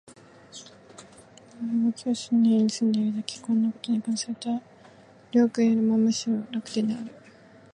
吾輩は教師の家に住んでいるだけ、こんな事に関すると両君よりもむしろ楽天である